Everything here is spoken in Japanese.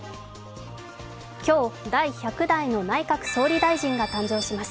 今日第１００代の内閣総理大臣が誕生します。